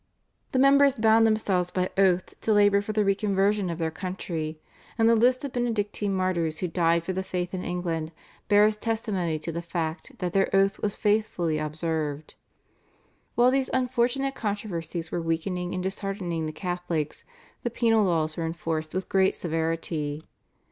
The members bound themselves by oath to labour for the re conversion of their country, and the list of Benedictine martyrs who died for the faith in England bears testimony to the fact that their oath was faithfully observed. While these unfortunate controversies were weakening and disheartening the Catholics the penal laws were enforced with great severity.